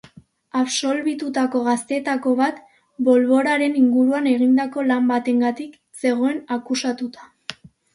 Absolbitutako gazteetako bat bolboraren inguruan egindako lan batengatik zegoen akusatuta.